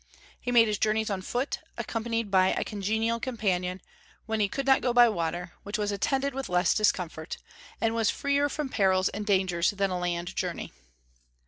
He made his journeys on foot, accompanied by a congenial companion, when he could not go by water, which was attended with less discomfort, and was freer from perils and dangers than a land journey.